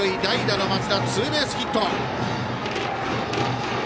代打の松田、ツーベースヒット。